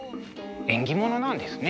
縁起ものなんですね。